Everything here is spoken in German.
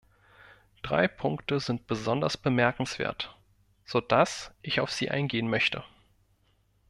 Drei Punkte sind besonders bemerkenswert, so dass ich auf sie eingehen möchte.